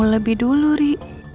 yang lebih dulu ri